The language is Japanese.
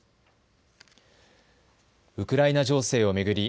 ウクライナ情勢を巡り